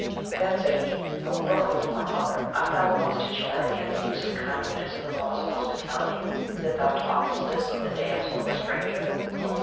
Then said he, 'O Rukrooth, my mother! art thou lost to charity and the uses of kindliness and the laws of hospitality, that thou talkest this of the damsel, a stranger?